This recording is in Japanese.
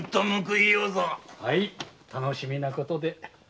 楽しみなことで。